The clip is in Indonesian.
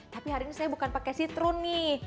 tapi hari ini saya bukan pakai citrun nih